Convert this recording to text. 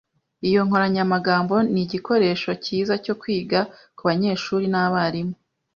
Iyi nkoranyamagambo nigikoresho cyiza cyo kwiga kubanyeshuri nabarimu.